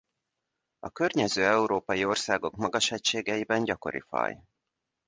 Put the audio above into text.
A környező európai országok magashegységeiben gyakori faj.